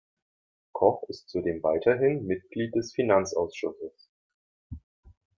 Koch ist zudem weiterhin Mitglied des Finanzausschusses.